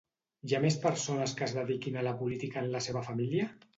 Hi ha més persones que es dediquin a la política en la seva família?